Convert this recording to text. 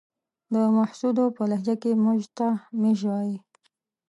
د محسودو په لهجه کې موږ ته ميژ وايې.